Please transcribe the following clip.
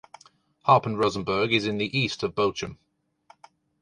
Harpen-Rosenberg is in the east of Bochum.